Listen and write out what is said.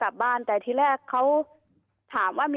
เจ้าหน้าที่แรงงานของไต้หวันบอก